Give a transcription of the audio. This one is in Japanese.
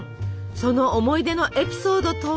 その思い出のエピソードとは？